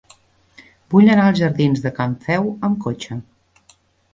Vull anar als jardins de Can Feu amb cotxe.